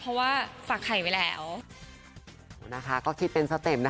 เพราะว่าฝากไข่ไว้แล้ว